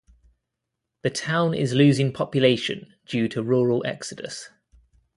The town is losing population due to rural exodus.